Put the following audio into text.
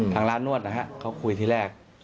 ทางร้านนวดนะฮะเขาคุยที่แรก